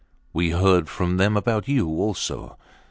We heard from them about you also.